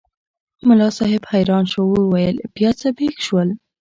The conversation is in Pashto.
ملا صاحب حیران شو وویل بیا څه پېښ شول؟